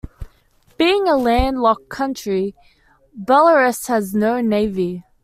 Being a landlocked country, Belarus has no navy.